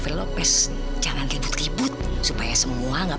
berapa lama bertahannya